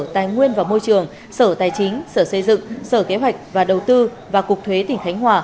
tài nguyên và môi trường sở tài chính sở xây dựng sở kế hoạch và đầu tư và cục thuế tỉnh khánh hòa